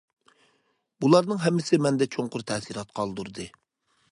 بۇلارنىڭ ھەممىسى مەندە چوڭقۇر تەسىرات قالدۇردى.